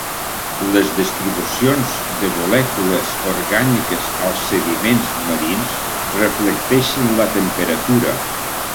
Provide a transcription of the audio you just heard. Les distribucions de molècules orgàniques als sediments marins reflecteixen la temperatura.